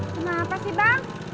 kenapa sih bang